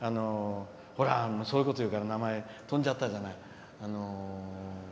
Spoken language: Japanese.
そういうこというから名前、飛んじゃったじゃない。